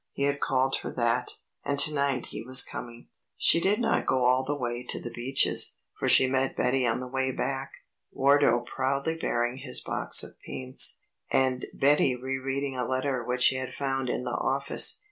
He had called her that, and to night he was coming. She did not go all the way to The Beeches, for she met Betty on the way back, Wardo proudly bearing his box of paints, and Betty re reading a letter which she had found in the office.